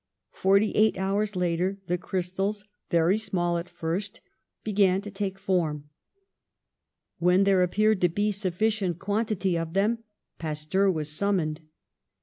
Forty eight hours later the crystals, very small at first, began to take form. When there appeared to be a suffi cient quantity of them Pasteur was summoned.